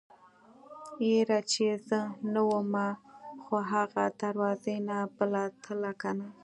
يره چې زه نه ومه خو اغه دروازې نه به تله کنه.